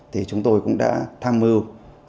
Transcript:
thì chúng tôi cũng đã tham mưu